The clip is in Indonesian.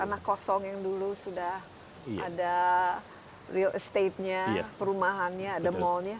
tanah kosong yang dulu sudah ada real estate nya perumahannya ada mallnya